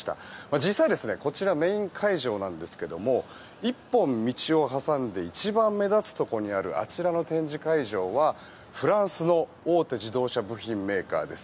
実は、メイン会場なんですけども１本道を挟んで一番目立つところにあるあちらの展示会場は、フランスの大手自動車部品メーカーです。